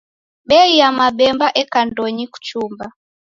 Bei ya mabemba eka ndonyi kuchumba.